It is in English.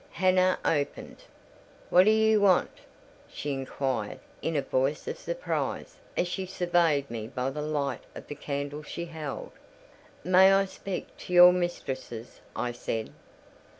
Hannah opened. "What do you want?" she inquired, in a voice of surprise, as she surveyed me by the light of the candle she held. "May I speak to your mistresses?" I said.